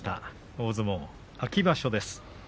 大相撲秋場所です。